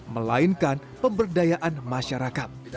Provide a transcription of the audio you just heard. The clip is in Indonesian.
melainkan pemberdayaan masyarakat